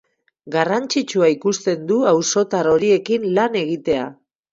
Garrantzitsua ikusten du auzotar horiekin lan egitea.